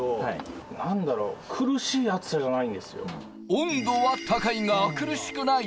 温度は高いが苦しくない。